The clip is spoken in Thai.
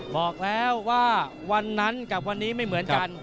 บอกแล้วว่าวันนั้นกับวันนี้ไม่เหมือนกัน